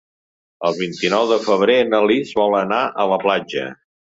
El vint-i-nou de febrer na Lis vol anar a la platja.